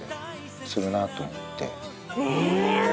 するなあと思って。